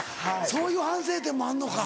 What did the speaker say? そういう反省点もあんのか。